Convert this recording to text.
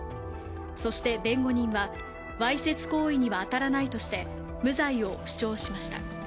そして、弁護人はわいせつ行為には当たらないとして無罪を主張しました。